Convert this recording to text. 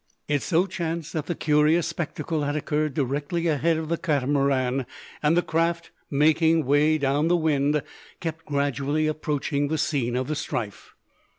It so chanced that the curious spectacle had occurred directly ahead of the Catamaran, and the craft, making way down the wind, kept gradually approaching the scene of the strife.